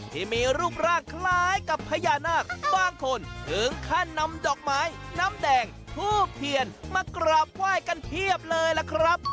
ที่มีรูปร่างคล้ายกับพญานาคบางคนถึงขั้นนำดอกไม้น้ำแดงทูบเทียนมากราบไหว้กันเพียบเลยล่ะครับ